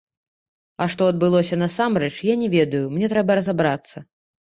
А што адбылося насамрэч, я не ведаю, мне трэба разабрацца.